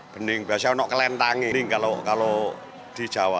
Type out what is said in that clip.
biasanya kalau di jawa kalau di jawa